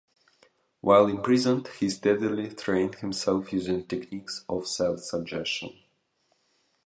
While imprisoned he steadily trained himself using techniques of self-suggestion.